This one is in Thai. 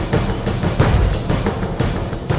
จิตจะจะกลับไปเผื่อได้